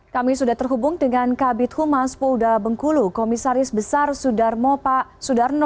kami sudah terhubung dengan kabit humas polda bengkulu komisaris besar sudarmo pak sudarno